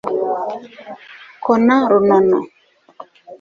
kona runono